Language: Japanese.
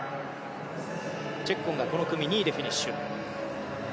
チェッコンがこの組２位でフィニッシュ。